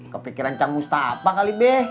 kepikiran cang mustafa kali be